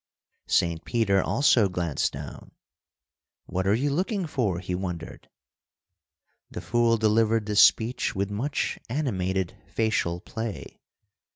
Saint Peter also glanced down. 'What are you looking for?' he wondered." The fool delivered this speech with much animated facial play.